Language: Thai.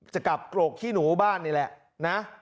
จะกลับกรกขี้หนูบ้านนี่แหละนะ